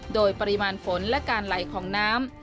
โดยปริมาณฝนและการไหลของน้ำ